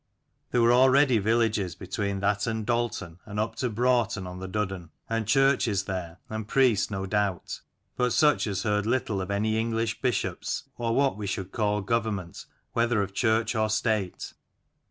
There were already villages between that and Dalton and up to Broughton on the Duddon, and churches there, and priests, no doubt ; but such as heard little of any English bishops, or what we should call government whether of church or state.